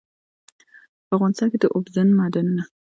په افغانستان کې د اوبزین معدنونه د اړتیاوو پوره کولو لپاره اقدامات کېږي.